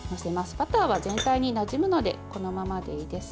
バターは全体になじむのでこのままでいいです。